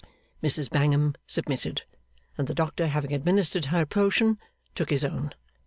Mrs Bangham submitted; and the doctor, having administered her potion, took his own.